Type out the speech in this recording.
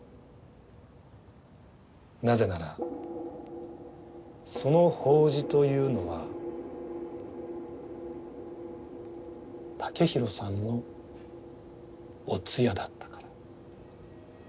なぜならその法事というのはタケヒロさんのお通夜だったから。